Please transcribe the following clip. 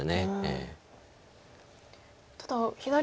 ええ。